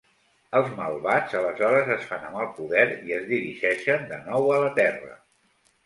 Els malvats aleshores es fan amb el poder i es dirigeixen de nou a la terra.